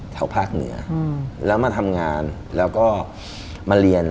ภาคเหนือแล้วมาทำงานแล้วก็มาเรียน